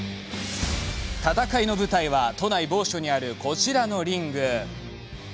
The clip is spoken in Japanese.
戦いの舞台は、都内某所にあるこちらのリング。